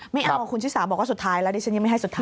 ไม่เอาคุณชิสาบอกว่าสุดท้ายแล้วดิฉันยังไม่ให้สุดท้าย